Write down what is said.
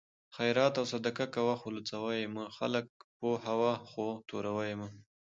خیرات او صدقات کوه خو لوڅوه یې مه؛ خلک پوهوه خو توروه یې مه